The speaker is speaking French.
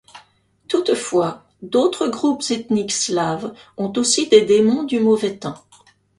Toutefois, d'autres groupes ethniques slaves ont aussi des démons du mauvais temps.